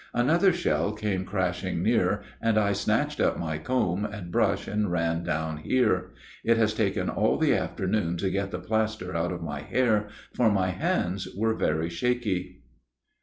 Another [shell] came crashing near, and I snatched up my comb and brush and ran down here. It has taken all the afternoon to get the plaster out of my hair, for my hands were rather shaky.